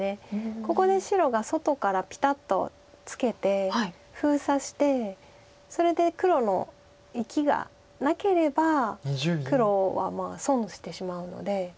ここで白が外からピタッとツケて封鎖してそれで黒の生きがなければ黒は損してしまうので。